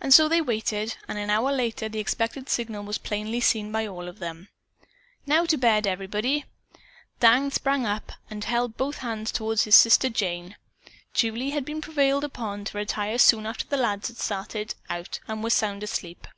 And so they waited, and an hour later the expected signal was plainly seen by all of them. "Now to bed, everybody!" Dan sprang up and held both hands toward his sister Jane. Julie had been prevailed upon to retire soon after the lads started out and was sound asleep.